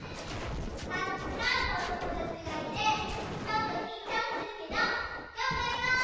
たくさんのおともだちがいてちょっときんちょうするけどがんばります！